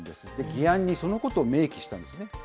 議案にそのことを明記したんですね。